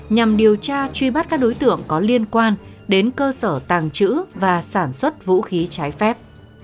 nhằm điều tra truy bắt các đối tượng có liên quan đến cơ sở tàng trữ và sản xuất vũ khí trái phép